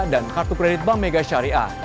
dan kartu kredit bam mega syariah